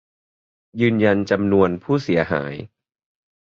ยืนยันจำนวนผู้เสียหาย